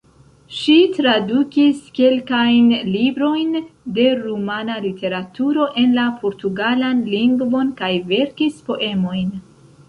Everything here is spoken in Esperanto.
Ŝi tradukis kelkajn librojn de rumana literaturo en la portugalan lingvon kaj verkis poemojn.